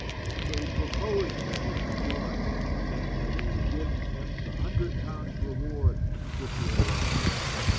So he proposed that he should join, saying that he would give him the hundred pounds reward which he had lost.